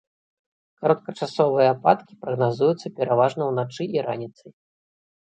Кароткачасовыя ападкі прагназуюцца пераважна ўначы і раніцай.